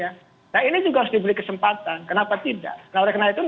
yang juga ingin berkontribusi dalam masyarakat